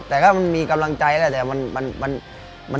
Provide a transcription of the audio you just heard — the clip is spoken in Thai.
แต่มันมีกำลังใจแหละ